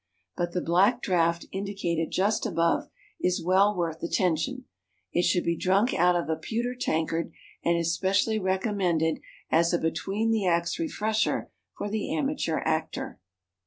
But the "black draught" indicated just above is well worth attention. It should be drunk out of a pewter tankard, and is specially recommended as a between the acts refresher for the amateur actor.